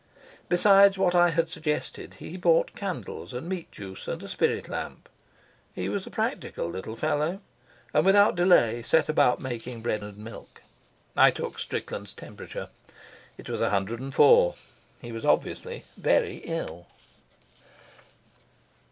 Besides what I had suggested, he brought candles, and meat juice, and a spirit lamp. He was a practical little fellow, and without delay set about making bread and milk. I took Strickland's temperature. It was a hundred and four. He was obviously very ill.